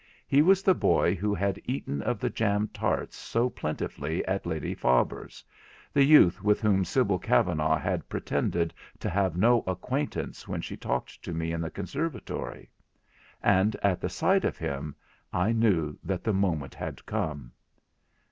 He was the boy who had eaten of the jam tarts so plentifully at Lady Faber's—the youth with whom Sibyl Kavanagh had pretended to have no acquaintance when she talked to me in the conservatory. And at the sight of him, I knew that the moment had come.